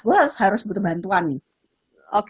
gue harus butuh bantuan nih